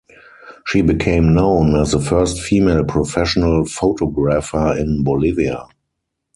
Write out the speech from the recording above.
She became known as the first female professional photographer in Bolivia.